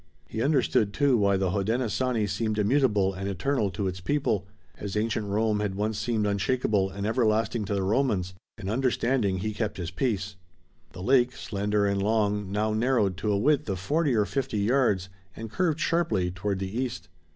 He understood, too, why the Hodenosaunee seemed immutable and eternal to its people, as ancient Rome had once seemed unshakable and everlasting to the Romans, and, understanding, he kept his peace. The lake, slender and long, now narrowed to a width of forty or fifty yards and curved sharply toward the east.